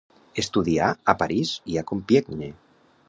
Estudià a París i a Compiègne.